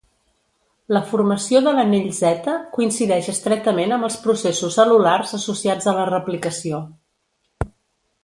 La formació de l'anell Z coincideix estretament amb els processos cel·lulars associats a la replicació.